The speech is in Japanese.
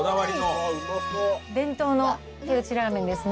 伝統の手打ちラーメンですね。